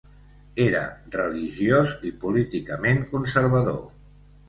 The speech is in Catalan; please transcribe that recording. Era religiós i políticament conservador.